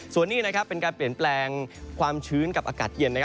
ส่วนนี้เป็นการเปลี่ยนแปลงความชื้นกับอากาศเย็น